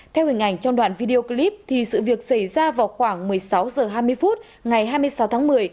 theo hình ảnh trong đoạn video clip sự việc xảy ra vào khoảng một mươi sáu h hai mươi phút ngày hai mươi sáu tháng một mươi